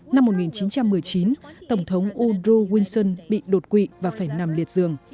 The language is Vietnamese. năm một nghìn chín trăm một mươi chín tổng thống udr winson bị đột quỵ và phải nằm liệt dường